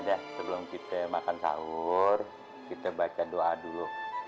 yaudah sebelum kita makan saur kita baca doa dulu